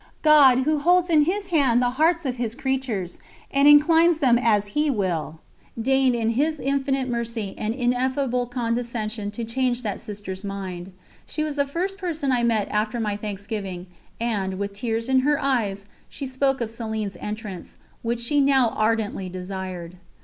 God, Who holds in His Hand the hearts of His creatures, and inclines them as He will, deigned in His infinite mercy and ineffable condescension to change that Sister's mind. She was the first person I met after my thanksgiving, and, with tears in her eyes, she spoke of Céline's entrance, which she now ardently desired.